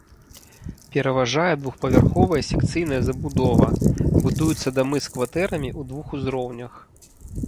Пераважае двухпавярховая секцыйная забудова, будуюцца дамы з кватэрамі ў двух узроўнях.